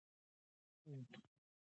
خو موږ باید حقایق بیان کړو.